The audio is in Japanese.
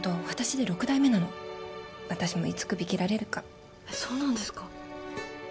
私で６代目なの私もいつ首切られるかえっそうなんですか？